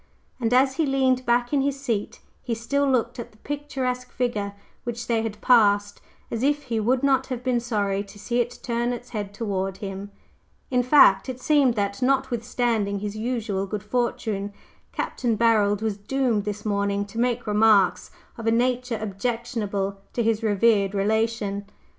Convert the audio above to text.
And as he leaned back in his seat, he still looked at the picturesque figure which they had passed, as if he would not have been sorry to see it turn its head toward him. In fact, it seemed that, notwithstanding his usual good fortune, Capt. Barold was doomed this morning to make remarks of a nature objectionable to his revered relation.